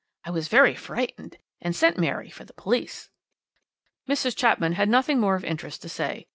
I was very frightened, and sent Mary for the police.' "Mrs. Chapman had nothing more of interest to say.